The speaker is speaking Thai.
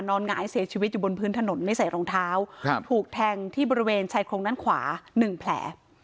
หงายเสียชีวิตอยู่บนพื้นถนนไม่ใส่รองเท้าถูกแทงที่บริเวณชายโครงด้านขวา๑แผล